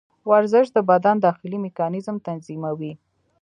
ورزش د بدن داخلي میکانیزم تنظیموي.